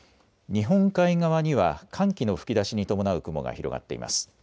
日本海側には寒気の吹き出しに伴う雲が広がっています。